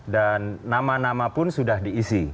dan nama nama pun sudah diisi